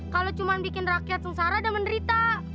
kalau cuma bikin rakyat sengsara udah menderita